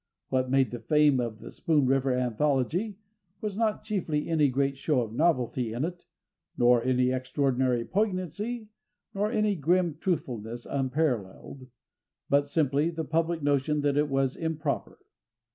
What made the fame of "The Spoon River Anthology" was not chiefly any great show of novelty in it, nor any extraordinary poignancy, nor any grim truthfulness unparalleled, but simply the public notion that it was improper.